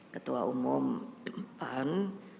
ketua umum depan